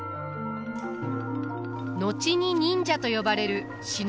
後に忍者と呼ばれる忍びの者。